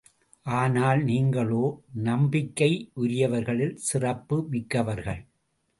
ஆனால் நீங்களோ, நம்பிக்கைக்குரியவர்களில் சிறப்பு மிக்கவர்கள்.